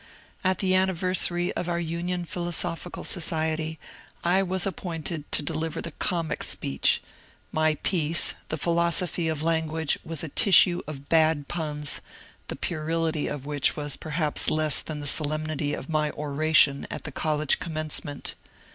At the anniversary of our Union Philosophical Society I was appointed to deliver the "comic" speech; my piece, " The Philosophy of Language," was a tissue of bad puns, the puerility of which was perhaps less than the solemnity of my " oration " at the College Commencement.